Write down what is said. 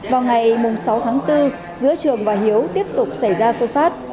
vào ngày sáu tháng bốn giữa trường và hiếu tiếp tục xảy ra xô xát